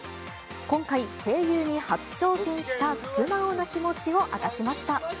今回、声優に初挑戦した素直な気持ちを明かしました。